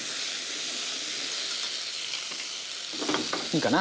いいかな。